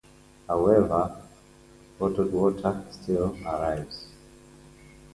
However, bottled water still arrives.